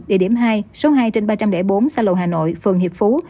địa điểm hai số hai trên ba trăm linh bốn xa lộ hà nội phường hiệp phú